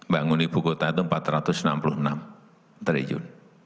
bangun ibu kota itu rp empat ratus enam puluh enam triliun